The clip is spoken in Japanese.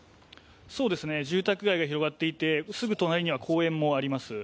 住宅街が広がっていてすぐ隣には公園もあります。